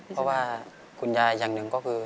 เพราะว่าคุณยายอย่างหนึ่งก็คือ